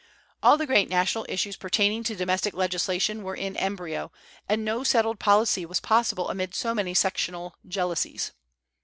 All the great national issues pertaining to domestic legislation were in embryo, and no settled policy was possible amid so many sectional jealousies.